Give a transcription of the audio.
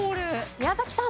宮崎さん。